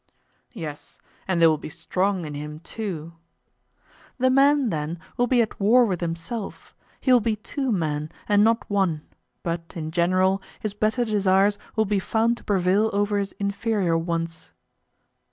Yes, and they will be strong in him too. The man, then, will be at war with himself; he will be two men, and not one; but, in general, his better desires will be found to prevail over his inferior ones.